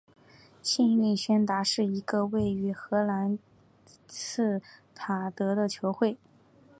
幸运薛达是一个位于荷兰锡塔德的球会。